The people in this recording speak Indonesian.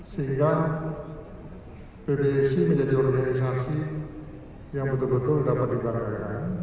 sehingga pb esports indonesia menjadi organisasi yang betul betul dapat dibangun